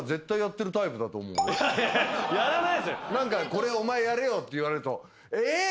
これお前やれよって言われると。